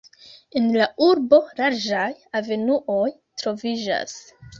En la urbo larĝaj avenuoj troviĝas.